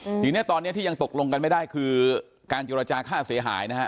ทีเนี้ยตอนเนี้ยที่ยังตกลงกันไม่ได้คือการเจรจาค่าเสียหายนะฮะ